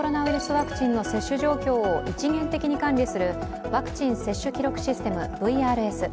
ワクチンの接種状況を一元的に管理するワクチン接種記録システム＝ＶＲＳ。